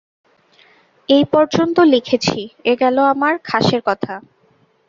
এই পর্যন্ত লিখেছি, এ গেল আমার খাসের কথা।